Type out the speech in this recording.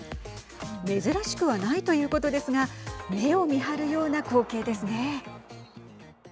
珍しくはないということですが目をみはるような光景ですね。